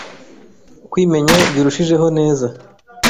kwimenya birushijeho neza